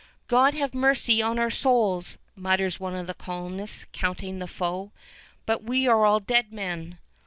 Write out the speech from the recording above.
"God have mercy on our souls!" mutters one of the colonists, counting the foe; "but we are all dead men."